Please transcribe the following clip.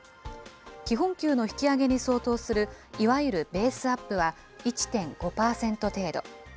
基本給の引き上げに相当するいわゆるベースアップは１．５％程度。